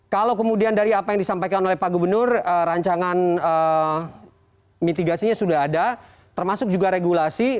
kalau kemudian dari apa yang disampaikan oleh pak gubernur rancangan mitigasinya sudah ada termasuk juga regulasi